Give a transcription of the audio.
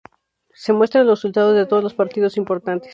Se muestran los resultados de todos los partidos importantes.